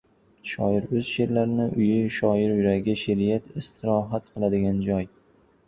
Shoir — o‘z she’rlarining uyi, shoir yuragi — she’riyat istirohat qiladigan joy.